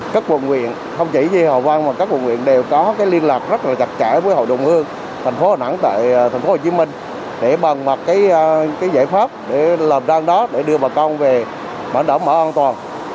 các quận nguyện không chỉ như hồ văn mà các quận nguyện đều có liên lạc rất là chặt chẽ với hội đồng hương thành phố đà nẵng tại thành phố hồ chí minh để bằng mặt cái giải pháp để làm ra đó để đưa bà con về bản đảo mở an toàn